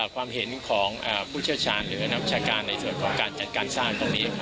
ความเห็นของผู้เชี่ยวชาญหรือนักวิชาการในส่วนของการจัดการสร้างตรงนี้